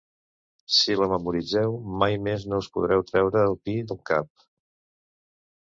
Si la memoritzeu, mai més no us podreu treure el pi del cap.